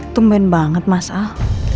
tumben banget mas al